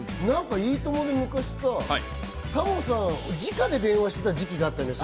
『いいとも！』で昔さ、タモさん、じかで電話してた時期があったじゃない？